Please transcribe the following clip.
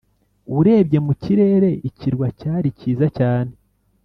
urebye mu kirere, ikirwa cyari cyiza cyane.